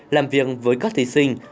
làm việc với các thí sinh